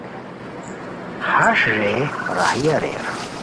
ہݰ رے راہی اریر